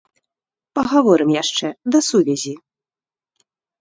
Пагаворым яшчэ, да сувязі!